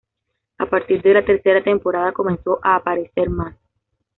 A partir de la tercera temporada comenzó a aparecer más.